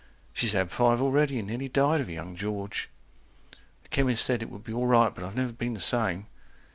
(She's had five already, and nearly died of young George.) 160 The chemist said it would be all right, but I've never been the same.